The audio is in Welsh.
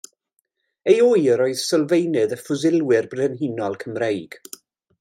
Ei ŵyr oedd sylfaenydd y Ffiwsilwyr Brenhinol Cymreig.